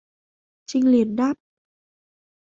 Trinh liền đáp